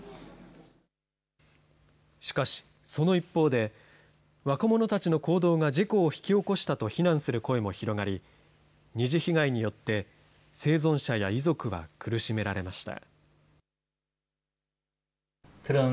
しかし、その一方で若者たちの行動が事故を引き起こしたと非難する声も広がり、二次被害によって生存者や遺族は苦しめられました。